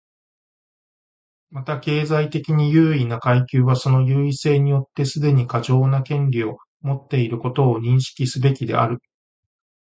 また、経済的に優位な階級はその優位性によってすでに過剰な権力を持っていることを認識すべきである。